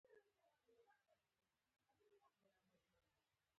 د بدن غوړو سوځول.